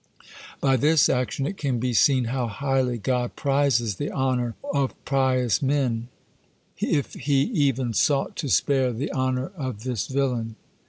By this action it can be seen how highly God prizes the honor or pious men, if He even sought to spare the honor of this villain.